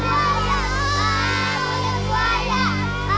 kau mau jalan